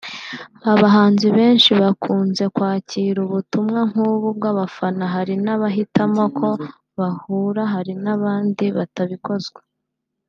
Abahanzi benshi bakunze kwakira ubutumwa nk’ubu bw’abafana hari abahitamo ko bahura hari n’abandi batabikozwa